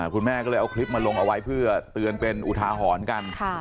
คุณแม่ก็เลยเอาคลิปมาลงเอาไว้เพื่อเตือนเป็นอุทาหรณ์กัน